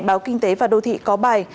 báo kinh tế và đô thị có bài